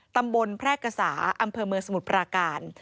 ตำบลแพร่กษาอำเภอเมืองสมุทรปราการ